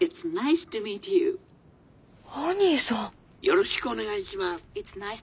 「よろしくお願いします」。